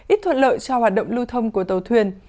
ít thuận lợi cho hoạt động lưu thông của tàu thuyền